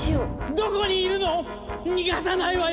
・どこにいるの⁉逃がさないわよ！